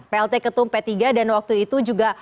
plt ketum p tiga dan waktu itu juga